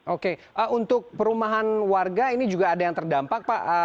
oke untuk perumahan warga ini juga ada yang terdampak pak